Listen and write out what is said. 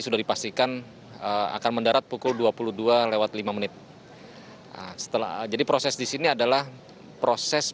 sudah dipastikan akan mendarat pukul dua puluh dua lima setelah jadi proses di sini adalah proses